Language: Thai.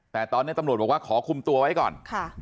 แต่ตอนนี้ตำรวจบอกว่าขอคุมตัวไว้ก่อน